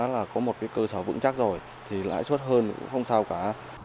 là có một cái cơ sở vững chắc rồi thì lãi suất hơn cũng không sao cả